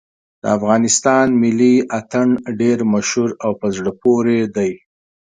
د افغانستان ملي اتڼ ډېر مشهور او په زړه پورې دی.